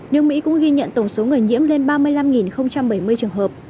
nước mỹ cũng ghi nhận tổng số người nhiễm lên ba mươi năm bảy mươi trường hợp